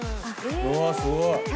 うわあすごい！